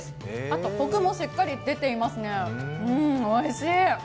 あとこくもしっかり出ていますね、うん、おいしい。